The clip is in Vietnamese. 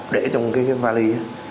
để trong cái vali